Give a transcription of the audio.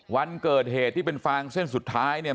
วันเกิดเหตุที่เป็นฟางเส้นสุดท้ายเนี่ย